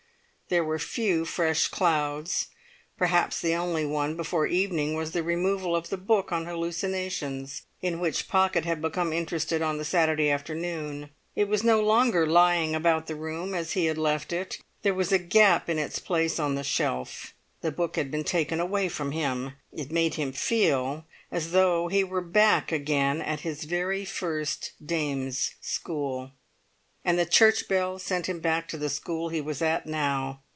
There were few fresh clouds; perhaps the only one before evening was the removal of the book on hallucinations in which Pocket had become interested on the Saturday afternoon. It was no longer lying about the room as he had left it. There was a gap in its place in the shelf. The book had been taken away from him; it made him feel as though he were back again at his very first dame's school. And the church bells sent him back to the school he was at now!